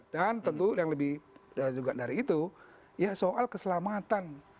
dan tentu yang lebih juga dari itu ya soal keselamatan